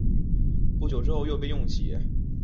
不久之后又被起用。